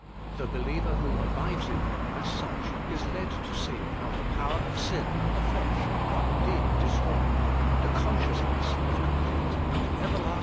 The believer who abides in Him as such, is led to see how the power of sin and the flesh are indeed de stroyed : the consciousness of complete and everlast THE GLORIFIED ONE.